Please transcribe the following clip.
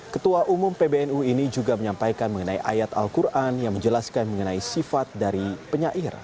ketua umum pbnu ini juga menyampaikan mengenai ayat al quran yang menjelaskan mengenai sifat dari penyair